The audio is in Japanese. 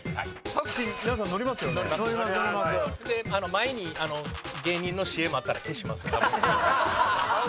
前に芸人のＣＭあったら消します画面。